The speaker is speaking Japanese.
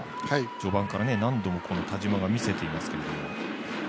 序盤から何度も田嶋が見せていますけれども。